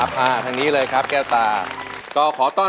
มาพบกับแก้วตานะครับนักสู้รุ่นจี๊วแห่งแดนอิสานสู้ชีวิตสู้งาน